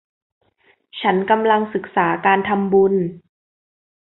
ฉันกำลังศีกษาการทำบุญ